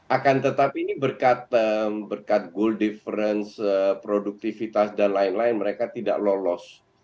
akan tetapi ini berkat goal difference produktivitas dan lain lain mereka tidak lolos